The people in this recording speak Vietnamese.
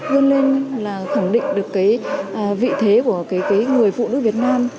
luôn lên là khẳng định được vị thế của người phụ nữ việt nam